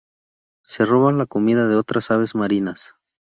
Se roba la comida de otras aves marinas.